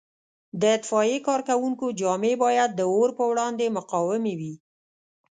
د اطفایې کارکوونکو جامې باید د اور په وړاندې مقاومې وي.